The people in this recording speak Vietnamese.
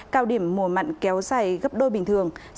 cao điểm mùa mặn kéo dài gấp đôi bình thường